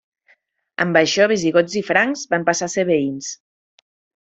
Amb això visigots i francs van passar a ser veïns.